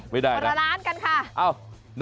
ไม่ได้คนละร้านกันค่ะ